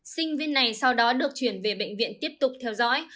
sinh viên này sau đó được chuyển về bệnh viện tiếp tục theo dõi